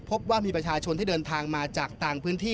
พบว่ามีประชาชนที่เดินทางมาจากต่างพื้นที่